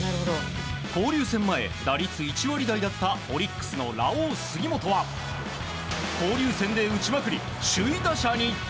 交流戦前、打率１割台だったオリックスのラオウ、杉本は交流戦で打ちまくり首位打者に。